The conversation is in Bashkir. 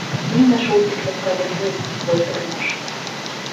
Ниңә шул тиклем ғәҙелһеҙ был тормош?